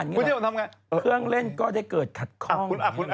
เครื่องเล่นก็ได้เกิดขัดข้อง